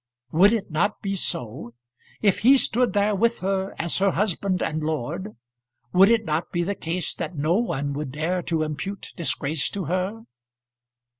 Would it not be so? If he stood there with her as her husband and lord, would it not be the case that no one would dare to impute disgrace to her?